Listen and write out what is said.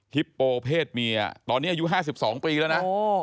ฮิปโปเพศเมียตอนนี้อายุ๕๒ปีแล้วนะ